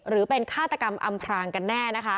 หรือเป็นฆาตกรรมอำพรางกันแน่นะคะ